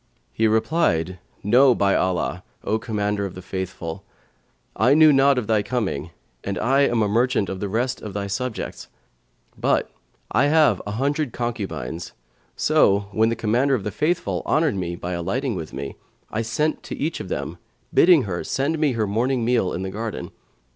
He replied, "No by Allah, O Commander of the Faithful, I knew not of thy coming and I am a merchant of the rest of thy subjects; but I have an hundred concubines; so, when the Commander of the Faithful honoured me by alighting with me, I sent to each of them, bidding her send me her morning meal in the garden.